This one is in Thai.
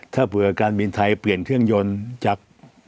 ถ้าเผื่อการบินไทยเปลี่ยนเครื่องยนต์จาก